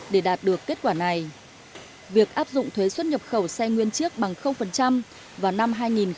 để đạt được kết quả này việc áp dụng thuế xuất nhập khẩu xe nguyên chiếc bằng vào năm hai nghìn hai mươi